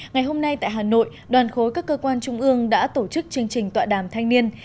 ngày hôm nay tại hà nội đoàn khối các cơ quan trung ương đã tổ chức chương trình tọa đàm thanh niên